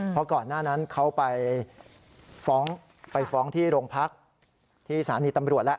เพราะก่อนหน้านั้นเขาไปฟ้องไปฟ้องที่โรงพักที่สถานีตำรวจแล้ว